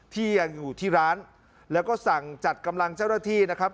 ที่ยังอยู่ที่ร้านแล้วก็สั่งจัดกำลังเจ้าหน้าที่นะครับ